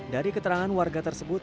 dari keterangan warga tersebut